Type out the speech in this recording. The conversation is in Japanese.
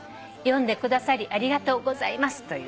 「読んでくださりありがとうございます」